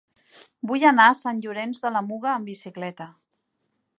Vull anar a Sant Llorenç de la Muga amb bicicleta.